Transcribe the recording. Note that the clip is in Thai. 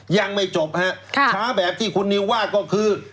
ยังไม่จบฮะช้าแบบที่คุณนิวว่าก็คือ